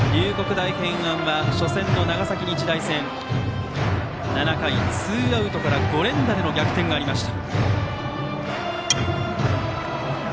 大平安は初戦の長崎日大戦７回、ツーアウトから５連打での逆転がありました。